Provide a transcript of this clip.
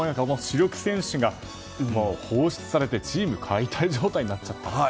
主力選手が放出されてチーム解体状態になっちゃったと。